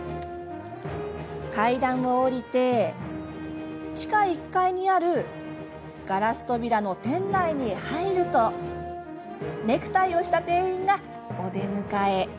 階段を下りて地下１階にあるガラス扉の店内に入るとネクタイをした店員がお出迎え。